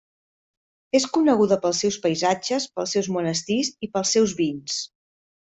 És coneguda pels seus paisatges, pels seus monestirs i pels seus vins.